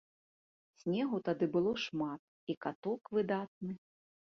Снегу тады было шмат і каток выдатны.